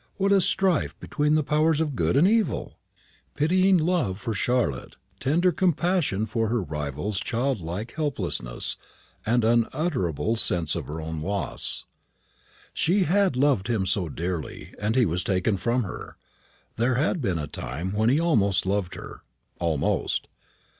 what a strife between the powers of good and evil! Pitying love for Charlotte; tender compassion for her rival's childlike helplessness; and unutterable sense of her own loss. She had loved him so dearly, and he was taken from her. There had been a time when he almost loved her almost!